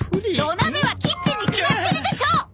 土鍋はキッチンに決まってるでしょ！